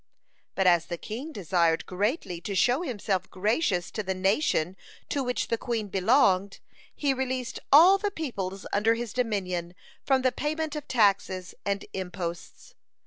But as the king desired greatly to show himself gracious to the nation to which the queen belonged, he released all the peoples under his dominion from the payment of taxes and imposts.